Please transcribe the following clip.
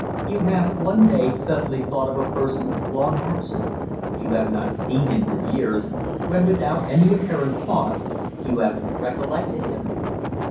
You have one day suddenly thought of a person long absent. You have not seen him for years, when, without any apparent cause, you have recollected him.